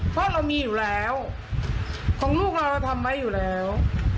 เพราะเรามีอยู่แล้วของลูกเราเราทำไว้อยู่แล้ว